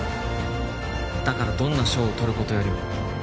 だからどんな賞をとることよりも